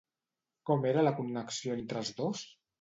Com era la connexió entre els dos?